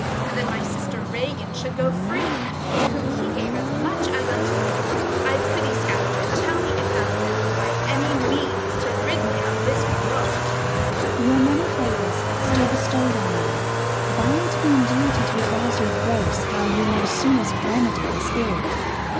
And that my sister Ragan should go free, To whom he gave as much as unto me ? 20 I prithee, Skalliger, tell me, if thou know, By any means to rid me of this woe. Skall. Your many favours still bestow'd on me, Bind me in duty to advise your grace, How you may soonest remedy this ill.